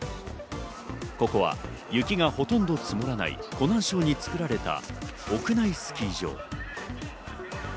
ここは雪がほとんど積もらない湖南省に作られた屋内スキー場。